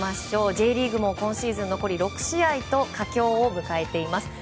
Ｊリーグも今シーズン残り６試合と佳境を迎えています。